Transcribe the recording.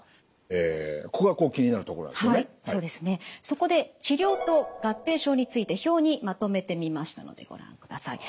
そこで治療と合併症について表にまとめてみましたのでご覧ください。